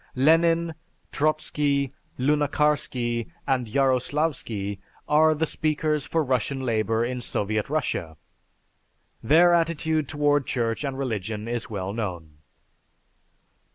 Lenin, Trotzky, Lunacharsky, and Yaroslavsky, are the speakers for Russian Labor in Soviet Russia. Their attitude toward Church and Religion is well known....